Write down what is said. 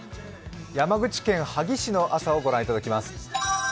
山口県萩市の朝を御覧いただきます。